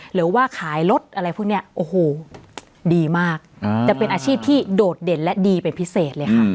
หรือว่าขายรถอะไรพวกนี้โอ้โหดีมากจะเป็นอาชีพที่โดดเด่นและดีเป็นพิเศษเลยค่ะ